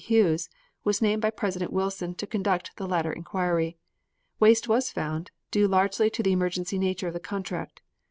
Hughes was named by President Wilson to conduct the latter inquiry. Waste was found, due largely to the emergency nature of the contract.